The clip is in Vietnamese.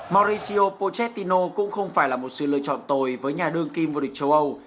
mauricio pochetino cũng không phải là một sự lựa chọn tồi với nhà đương kim vô địch châu âu